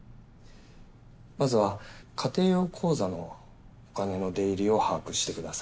まずは家庭用口座のお金の出入りを把握してください。